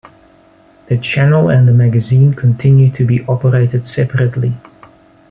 The channel and the magazine continue to be operated separately.